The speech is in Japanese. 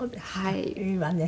いいわね。